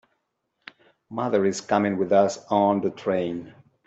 Mother is coming with us on the train.